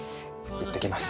行ってきます。